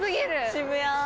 渋谷。